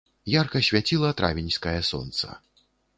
Ярка свяціла травеньскае сонца.